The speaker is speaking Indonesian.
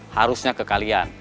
harusnya ke kalian